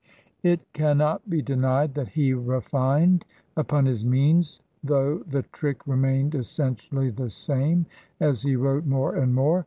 It cannot be denied that he refined upon his means, though the trick remained essentially the same, as he wrote more and more.